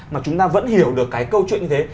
mà chúng ta vẫn hiểu được cái câu chuyện như thế